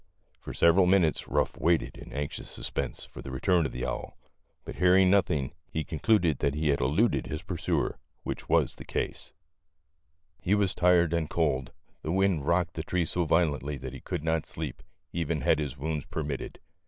For several min utes Ruff waited in anxious suspense for the return of the owl ; but hearing nothing, he concluded that he had eluded his pursuer, which was the case. A NIGHT WITH RUFF GROUSE. 125 He was tired and cold. The wind rocked the tree so violently that he could not sleep, even had his wounds permitted.